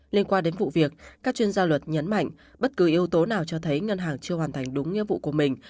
liên quan đến vụ việc các chuyên gia luật nhấn mạnh bất cứ yếu tố nào cho thấy ngân hàng chưa hoàn thành đúng nghĩa vụ của mình